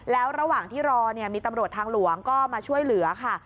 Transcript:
แล้วระหว่างที่รอมีตำรวจทางหลวงก็มาช่วยเหลือค่ะ